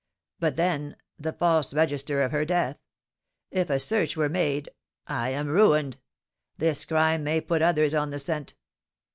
But, then, the false register of her death! If a search were made, I am ruined! This crime may put others on the scent."